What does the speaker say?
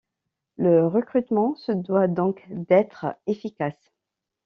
Le recrutement se doit donc d'être efficace.